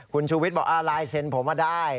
คุณชุวิตบอกไลน์เซ็นต์ผมว่าได้